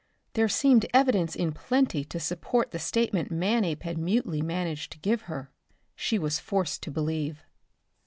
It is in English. There seemed evidence in plenty to support the statement Manape had mutely managed to give her. She was forced to believe.